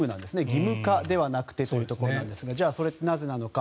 義務化ではなくてというところなんですがじゃあ、それってなぜなのか。